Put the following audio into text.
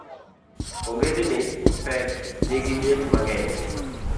Ongedni pek nigi liet mang'eny